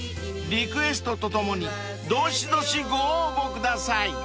［リクエストとともにどしどしご応募ください］